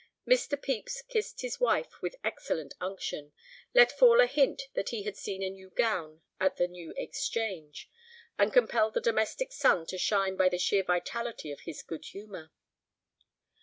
Mr. Pepys kissed his wife with excellent unction, let fall a hint that he had seen a new gown at the New Exchange, and compelled the domestic sun to shine by the sheer vitality of his good humor.